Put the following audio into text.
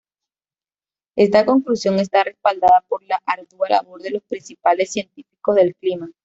Esta conclusión está respaldada por la ardua labor de los principales científicos del clima.